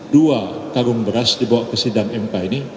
dua tabung beras dibawa ke sidang mk ini